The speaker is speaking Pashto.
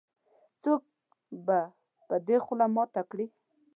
-څوک به دې خوله ماته کړې.